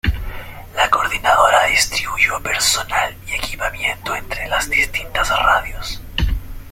La coordinadora distribuyó personal y equipamiento entre las distintas radios.